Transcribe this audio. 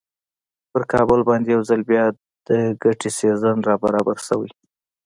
پر کابل باندې یو ځل بیا د ګټې سیزن را برابر شوی.